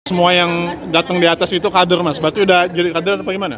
semua yang datang di atas itu kader mas berarti udah jadi kader atau gimana